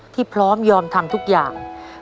ที่พร้อมยอมทำทุกอย่าง